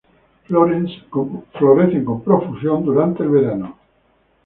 Florecen con profusión durante el verano.